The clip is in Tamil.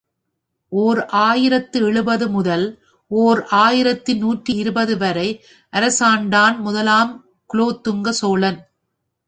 ஓர் ஆயிரத்து எழுபது முதல், ஓர் ஆயிரத்து நூற்றி இருபது வரை அரசாண்டான் முதலாம் குலோத்துங்க சோழன்.